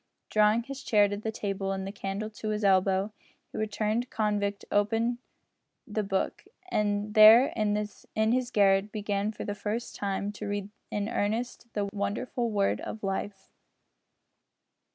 Drawing his chair to the table and the candle to his elbow, the returned convict opened the Book, and there in his garret began for the first time to read in earnest the wonderful Word of Life!